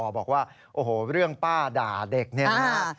บอกว่าโอ้โหเรื่องป้าด่าเด็กเนี่ยนะฮะ